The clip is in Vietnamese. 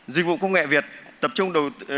dịch vụ công nghệ việt tập trung